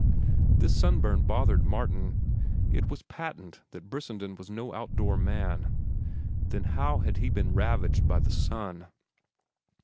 This sunburn bothered Martin. It was patent that Brissenden was no outdoor man. Then how had he been ravaged by the sun?